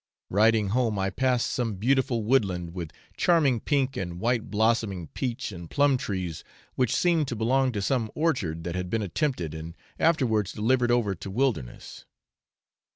Riding home I passed some beautiful woodland with charming pink and white blossoming peach and plum trees, which seemed to belong to some orchard that had been attempted, and afterwards delivered over to wildness.